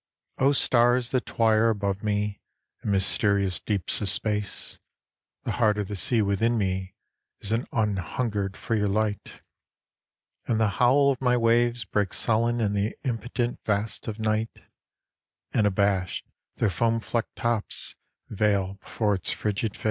O stars that twiro above mo, in mysterious deeps of space, The heart of the sea within me is anhungered for your light, And the howl of my waves breaks sullen in the impotent vast of night, And abashed their foam flecked tops vail before its frigid face.